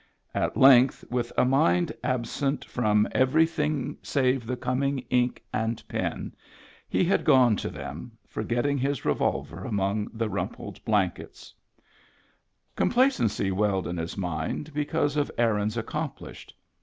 At length, with a mind absent from everything Digitized by Google SPIT CAT CREEK 71 save the coming ink and pen, he had gone to them, forgetting his revolver among the rumpled blankets. Complacency welled in his mind because of errands accomplished.